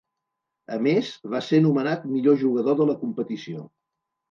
A més, va ser nomenat millor jugador de la competició.